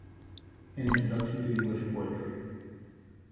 "An Introduction to English Poetry".